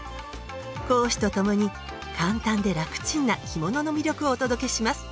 講師と共に簡単で楽ちんな着物の魅力をお届けします。